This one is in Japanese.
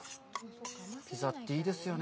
ピザって、いいですよね。